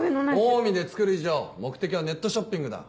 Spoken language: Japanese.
オウミで作る以上目的はネットショッピングだ。